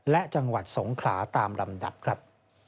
และจังหวัดสงขลาตามลำดับครับ